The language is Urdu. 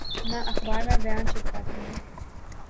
نہ اخبار میں بیان چھپواتے ہیں۔